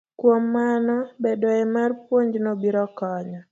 Kuom mano, bedoe mar puonjno biro konyo